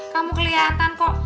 kamu kelihatan kok